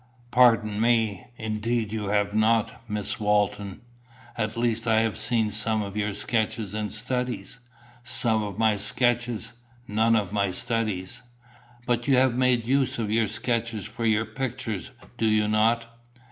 "Pardon me. Indeed you have not, Miss Walton." "At least I have seen some of your sketches and studies." "Some of my sketches none of my studies." "But you make use of your sketches for your pictures, do you not?"